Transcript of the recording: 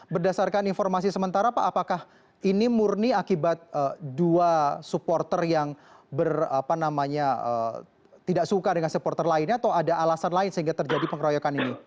berdasarkan informasi sementara pak apakah ini murni akibat dua supporter yang tidak suka dengan supporter lainnya atau ada alasan lain sehingga terjadi pengeroyokan ini